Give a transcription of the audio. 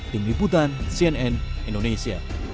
tim liputan cnn indonesia